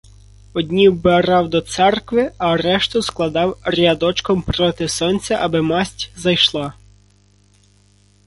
Одні вбирав до церкви, а решту складав рядочком проти сонця, аби масть зайшла.